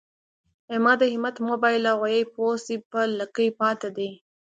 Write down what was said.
احمده! همت مه بايله؛ غويی پوست دی په لکۍ پاته دی.